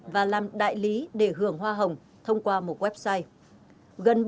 và làm đại lý để hưởng hoa hồng thông qua một website